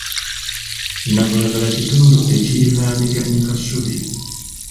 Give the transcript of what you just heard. Nabulagala kitundu ekiriraaniganyene Kasubi.